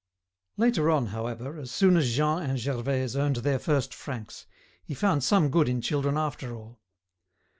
Later on, however, as soon as Jean and Gervaise earned their first francs, he found some good in children after all.